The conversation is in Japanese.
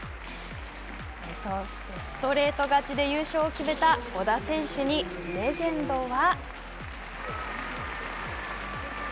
ストレート勝ちで優勝を決めた小田選手に、レジェンドは。